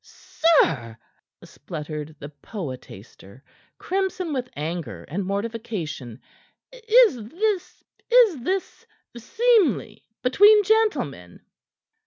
"Sir sir " spluttered the poetaster, crimson with anger and mortification. "Is this is this seemly between gentlemen?"